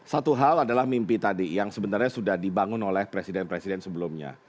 satu hal adalah mimpi tadi yang sebenarnya sudah dibangun oleh presiden presiden sebelumnya